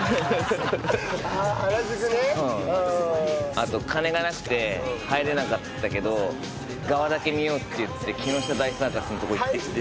あと金がなくて入れなかったけど側だけ見ようって言って木下大サーカスのとこ行ってきて。